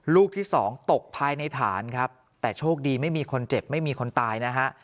ลูกที่๒ตกภายในฐานแต่โชคดีไม่มีคนเจ็บไม่มีคนตาย